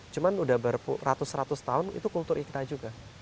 cuma sudah beratus ratus tahun itu kultur kita juga